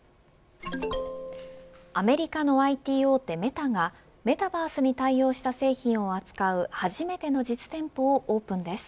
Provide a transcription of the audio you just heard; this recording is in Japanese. アメリカのＩＴ大手メタがメタバースに対応した製品を扱う初めての実店舗をオープンです。